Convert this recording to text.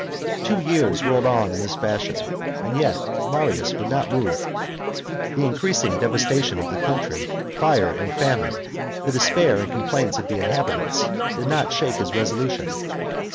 Two years rolled on in this fashion; and yet Marius would not move. The increasing devastation of the country, fire, and famine, the despair and complaints of the inhabitants, did not shake his resolution.